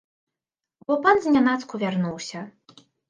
Бо пан знянацку вярнуўся.